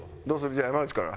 じゃあ山内から。